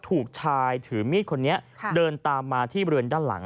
ถูกชายถือมีดคนนี้เดินตามมาที่บริเวณด้านหลัง